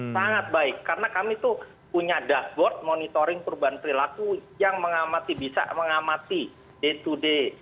sangat baik karena kami tuh punya dashboard monitoring perubahan perilaku yang mengamati bisa mengamati day to day